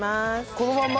このまんま？